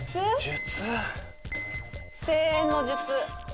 声援の術。